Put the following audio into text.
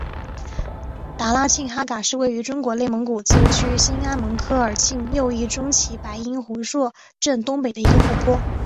达拉沁哈嘎是位于中国内蒙古自治区兴安盟科尔沁右翼中旗白音胡硕镇东北的一个湖泊。